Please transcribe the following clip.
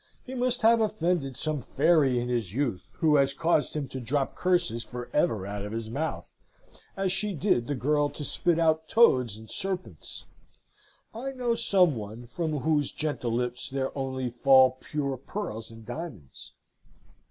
He must have offended some fairy in his youth, who has caused him to drop curses for ever out of his mouth, as she did the girl to spit out toads and serpents. (I know some one from whose gentle lips there only fall pure pearls and diamonds.)